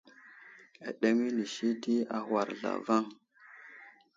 Aɗeŋw inisi anay di agwar zlavaŋ.